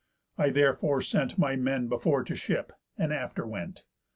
I therefore sent My men before to ship, and after went.